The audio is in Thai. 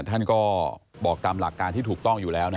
ท่านก็บอกตามหลักการที่ถูกต้องอยู่แล้ว